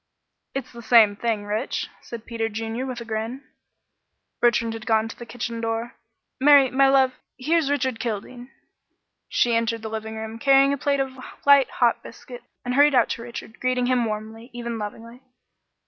"It's the same thing, Rich," said Peter Junior, with a grin. Bertrand had gone to the kitchen door. "Mary, my love, here's Richard Kildene." She entered the living room, carrying a plate of light, hot biscuit, and hurried out to Richard, greeting him warmly even lovingly.